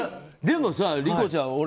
でもさ、理子ちゃん